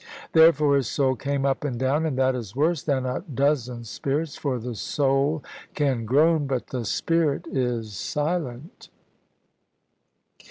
Therefore his soul came up and down; and that is worse than a dozen spirits; for the soul can groan, but the spirit is silent.